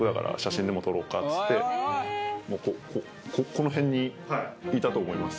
この辺にいたと思います。